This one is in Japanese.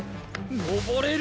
登れる！